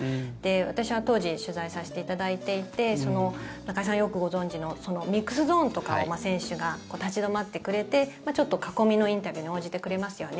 私は当時取材をさせていただいていて中居さんがよくご存じのミックスゾーンとかを選手が立ち止まってくれてちょっと囲みのインタビューに応じてくれますよね。